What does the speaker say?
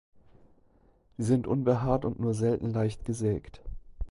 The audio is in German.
Sie sind unbehaart und nur selten leicht gesägt.